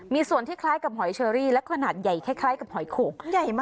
มีส่วนที่คล้ายกับหอยเชอรี่และขนาดใหญ่คล้ายคล้ายกับหอยโขง